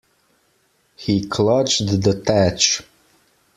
He clutched the thatch.